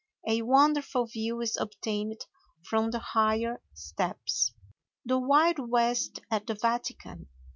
A wonderful view is obtained from the higher steps. THE WILD WEST AT THE VATICAN.